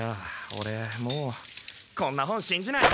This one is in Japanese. オレもうこんな本しんじない。